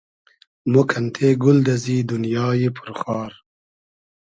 مۉ کئنتې گول دئزی دونیایی پور خار